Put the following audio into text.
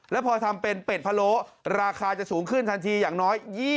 แล้วพอทำเป็นเป็ดพะโล้ราคาจะสูงขึ้นทันทีอย่างน้อย